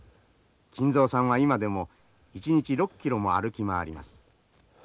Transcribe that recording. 金蔵さんは今でも一日６キロも歩き回ります。